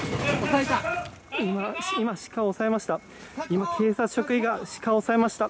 押さえた、今、鹿を押さえました。